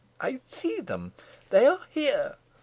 "I see them they are here!"